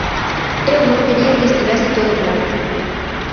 Eu non quería que estivese todo claro.